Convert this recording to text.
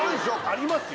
ありますよ！